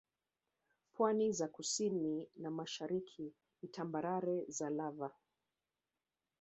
Pwani za kusini na mashariki ni tambarare za Lava